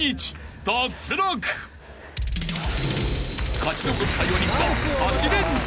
［勝ち残った４人は］